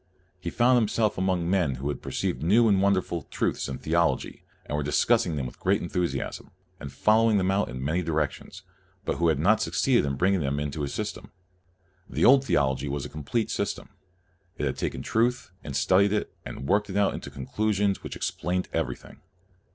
He found himself among men who had perceived new and wonderful truths in theology, and were discussing them with great enthusiasm, and following them out in many directions, but who had not succeeded in bringing them into a system. The old theology was a complete system. It had taken truth, and studied it, and worked it out into conclusions which explained everything.